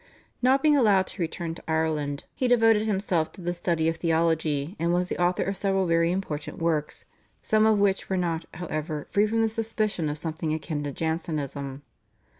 Not being allowed to return to Ireland, he devoted himself to the study of theology, and was the author of several very important works, some of which were not, however, free from the suspicion of something akin to Jansenism.